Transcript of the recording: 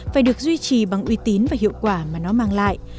phải được duy trì bằng uy tín và hiệu quả mà nó mang lại